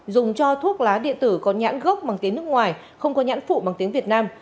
dùng cho thuốc lá điện tử có nhãn gốc bằng tiếng nước ngoài không có nhãn phụ bằng tiếng việt nam